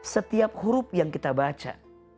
setiap huruf yang kita baca